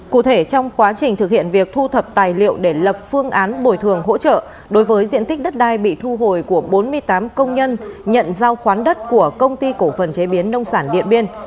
cụ thể trong quá trình thực hiện việc thu thập tài liệu để lập phương án bồi thường hỗ trợ đối với diện tích đất đai bị thu hồi của bốn mươi tám công nhân nhận giao khoán đất của công ty cổ phần chế biến nông sản điện biên